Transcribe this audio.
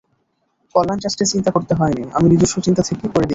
কল্যাণ ট্রাস্টের চিন্তা করতে হয়নি, আমি নিজস্ব চিন্তা থেকেই করে দিয়েছি।